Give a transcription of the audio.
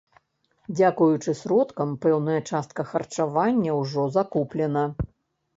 Дзякуючы сродкам, пэўная частка харчавання ўжо закуплена.